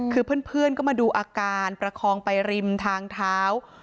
คือเพื่อนก็มาดูอาการประคองไปริมทางเท้า